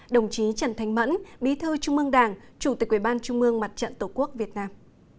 đồng chí trần thanh mẫn bí thư trung mương đảng chủ tịch quỹ ban trung mương mặt trận tổ quốc việt nam